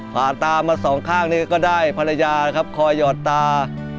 ผ่าตามาสองข้างนี้ก็ได้ภรรยานะครับคอยหยอดตา